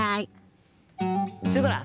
シュドラ！